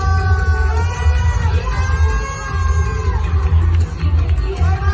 มันเป็นเมื่อไหร่แล้ว